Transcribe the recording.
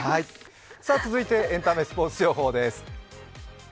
続いてエンタメスポーツ情報です。